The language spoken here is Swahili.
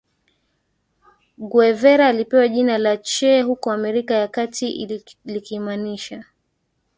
Guevara alipewa jina la che huko Amerika ya Kati likimaanisha